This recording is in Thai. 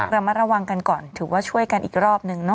ระมัดระวังกันก่อนถือว่าช่วยกันอีกรอบนึงเนอ